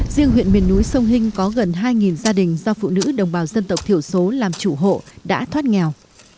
riêng huyện miền núi sông hinh có gần hai gia đình do phụ nữ đồng bào dân tộc thiểu số làm chủ hộ đã thoát nghèo